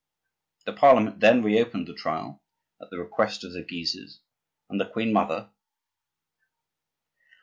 The Parliament then reopened the trial, at the request of the Guises and the queen mother.